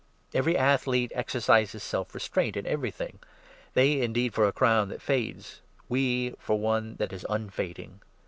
Every athlete exercises self restraint in every 25 thing ; they, indeed, for a crown that fades, we for one that is unfading.